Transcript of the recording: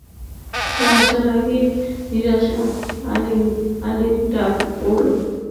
চা আসার আগেই নিসার আলির ডাক পড়ল।